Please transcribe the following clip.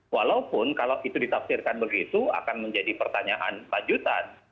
walaupun kalau itu ditafsirkan begitu akan menjadi pertanyaan lanjutan